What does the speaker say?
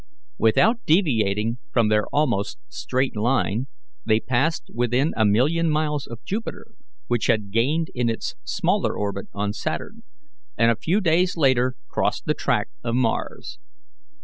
Without deviating from their almost straight line, they passed within a million miles of Jupiter, which had gained in its smaller orbit on Saturn, and a few days later crossed the track of Mars.